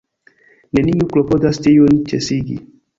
Neniu klopodas tiujn ĉesigi.